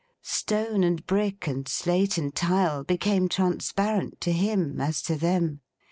Stone, and brick, and slate, and tile, became transparent to him as to them.